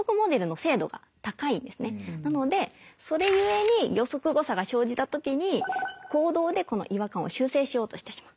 なのでそれゆえに予測誤差が生じた時に行動で違和感を修正しようとしてしまう。